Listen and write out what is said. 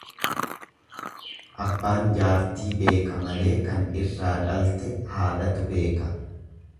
Abbaan jaartii beeka malee kan irraa dhalte haadhatu heeka.